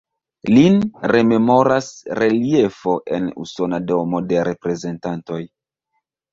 Lin rememoras reliefo en la Usona Domo de Reprezentantoj.